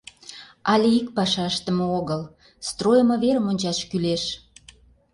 Але ик паша ыштыме огыл; стройымо верым ончаш кӱлеш.